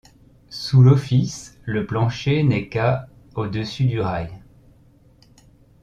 Sous l'office, le plancher n'est qu'à au-dessus du rail.